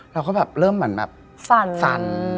เราก็เริ่มแบบสัน